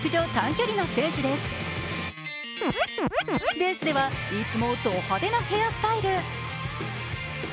レースではいつもド派手なヘアスタイル。